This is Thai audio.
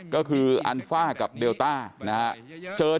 ก็คืออันฟ่ากับเดลต้านะครับ